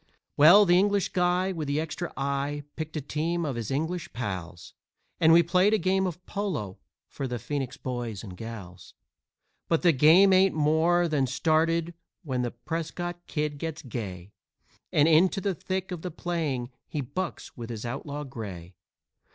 "Well, the English guy with the extra eye picked a team of his English pals, And we played a game of polo for the Phoenix boys and gals. But the game ain't more than started when the Prescott Kid gets gay And into the thick of the playing he bucks with his outlaw gray.